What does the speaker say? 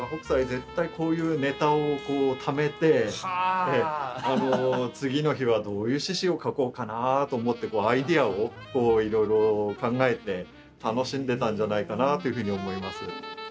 絶対こういうネタをためて次の日はどういう獅子を描こうかなと思ってアイデアをいろいろ考えて楽しんでたんじゃないかなっていうふうに思います。